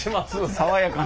爽やかな。